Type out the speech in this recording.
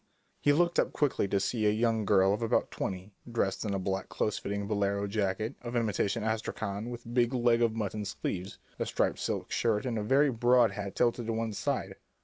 He looked up quickly to see a young girl of about twenty dressed in a black close fitting bolero jacket of imitation astrakhan with big leg of mutton sleeves, a striped silk skirt, and a very broad hat tilted to one side.